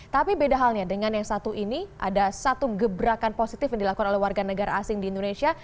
tapi beda halnya dengan yang satu ini ada satu gebrakan positif yang dilakukan oleh warga negara asing di indonesia